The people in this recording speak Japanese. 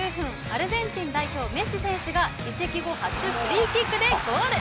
アルゼンチン代表メッシ選手が移籍後初フリーキックでゴール！